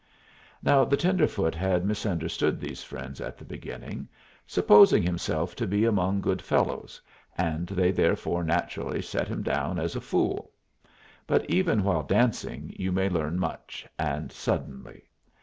Now the tenderfoot had misunderstood these friends at the beginning, supposing himself to be among good fellows, and they therefore naturally set him down as a fool. But even while dancing you may learn much, and suddenly.